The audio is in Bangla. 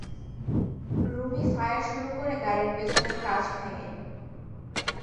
রুমী ফায়ার শুরু করে গাড়ির পেছনের কাচ ভেঙে।